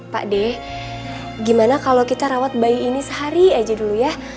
pak deh gimana kalau kita rawat bayi ini sehari aja dulu ya